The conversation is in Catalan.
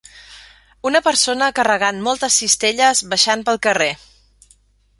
Una persona carregant moltes cistelles baixant pel carrer.